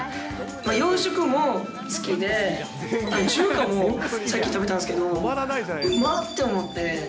洋食も好きで、中華もさっき食べたんですけど、うまって思って。